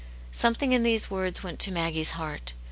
Something in these Words went to Maggie's heart.